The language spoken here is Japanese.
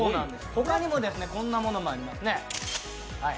ほかにもこんなものもありますね。